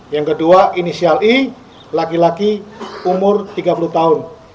yang kedua inisial i laki laki umur tiga puluh tahun